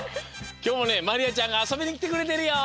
きょうもねまりあちゃんがあそびにきてくれてるよ！